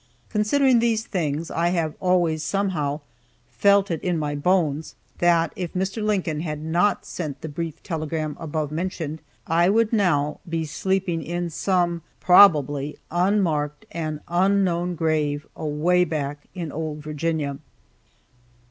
Considering these things, I have always somehow "felt it in my bones" that if Mr. Lincoln had not sent the brief telegram above mentioned, I would now be sleeping in some (probably) unmarked and unknown grave away back in old Virginia.